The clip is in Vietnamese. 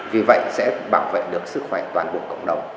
vì vậy sẽ bảo vệ được sức khỏe toàn bộ cộng đồng